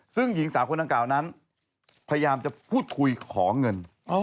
ซึ่งหญิงสาวคนดังกล่าวนั้นพยายามจะพูดคุยขอเงิน